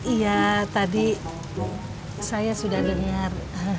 iya tadi saya sudah dengar